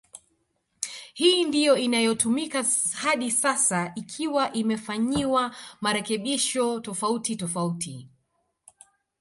Hii ndio inayotumika hadi sasa ikiwa imefanyiwa marekebisho tofauti tofauti